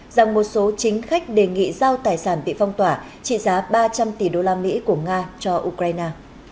rằng một số chính khách đề nghị giao tài sản bị phong tỏa trị giá ba trăm linh tỷ đô la mỹ của nga cho ukraine